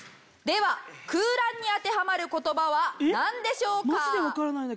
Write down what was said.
では空欄にあてはまる言葉はなんでしょうか？